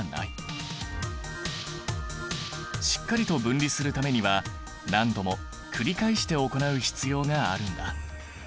しっかりと分離するためには何度も繰り返して行う必要があるんだ。